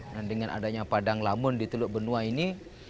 dan dengan adanya padang lamun di teluk benua ini